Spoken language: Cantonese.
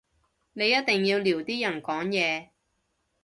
你一定要撩啲人講嘢